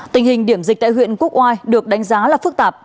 tình hình điểm dịch tại huyện quốc oai được đánh giá là phức tạp